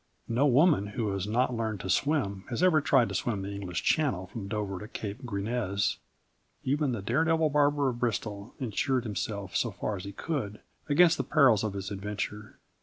No woman who has not learned to swim has ever tried to swim the English Channel from Dover to Cape Grisnez. Even the daredevil barber of Bristol insured himself, so far as he could, against the perils of his adventure.